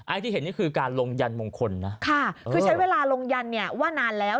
อะไรที่เห็นนี่ก็คือการลงยันทร์มงคลนะค่ะด้วยเช้าเวลาลงยันทร์เนี้ยว่านานแล้ว